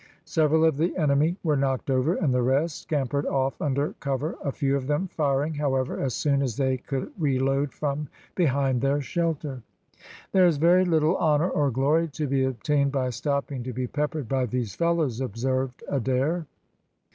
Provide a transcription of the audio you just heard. Several of the enemy were knocked over, and the rest scampered off under cover, a few of them firing, however, as soon as they could reload from behind their shelter. "There is very little honour or glory to be obtained by stopping to be peppered by these fellows," observed Adair.